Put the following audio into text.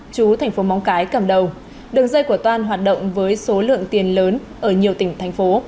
chú thành phố móng cái cầm đầu đường dây của toan hoạt động với số lượng tiền lớn ở nhiều tỉnh thành phố